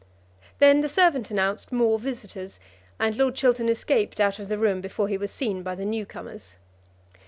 Then the servant announced more visitors, and Lord Chiltern escaped out of the room before he was seen by the new comers.